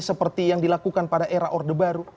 seperti yang dilakukan pada era orde baru